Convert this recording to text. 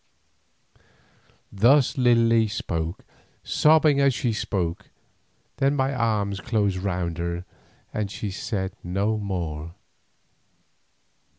Thus Lily spoke, sobbing as she spoke, then my arms closed round her and she said no more.